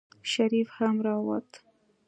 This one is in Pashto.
شريف هم راووت.